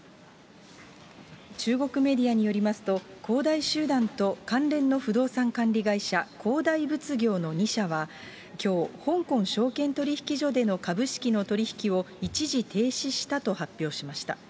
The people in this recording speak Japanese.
中国メディアによりますと、恒大集団と関連の不動産管理会社、恒大物業の２社は、きょう、香港証券取引所での株式の取り引きを一時停止したと発表しました。